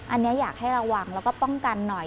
อันนี้อยากให้ระวังแล้วก็ป้องกันหน่อย